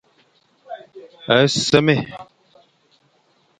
A sémé.